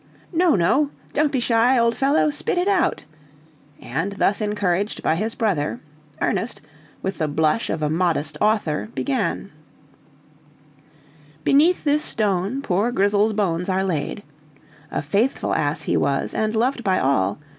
"No, no, don't be shy, old fellow; spit it out!" and thus encouraged by his brother, Ernest, with the blush of a modest author, began: "Beneath this stone poor Grizzle's bones are laid, A faithful ass he was, and loved by all.